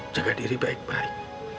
jaga diri baik baik